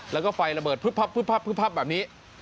แล้วก็ไฟระเบิดพึบพับแบบนี้